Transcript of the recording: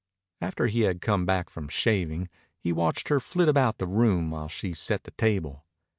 After he had come back from shaving, he watched her flit about the room while she set the table.